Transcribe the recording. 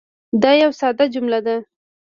دا یوه ساده جمله ده.